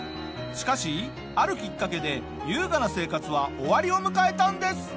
しかしあるきっかけで優雅な生活は終わりを迎えたんです。